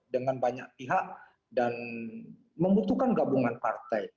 dengan banyak pihak dan membutuhkan gabungan partai